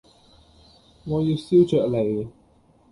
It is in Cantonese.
我要燒鵲脷